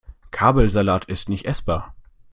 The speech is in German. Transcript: Kabelsalat ist nicht essbar.